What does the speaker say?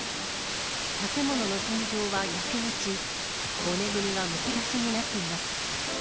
建物の天井は焼け落ち、骨組みがむき出しになっています。